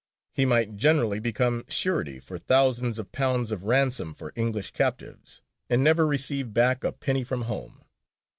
He might generously become surety for thousands of pounds of ransoms for English captives, and never receive back a penny from home.